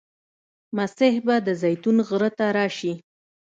مسیح به د زیتون غره ته راشي.